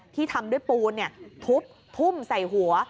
ที่ทำด้วยปูนเนี่ยทุบทุ่มใส่หัว